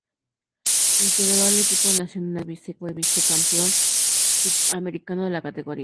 Integró el equipo Nacional, que fue Vice Campeón Sud Americano de la categoría.